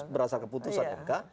berdasarkan keputusan ma